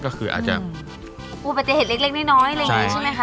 ก็คืออาจจะอู๋เป็นเจ็บเห็นเล็กเล็กน้อยน้อยใช่ไหมคะใช่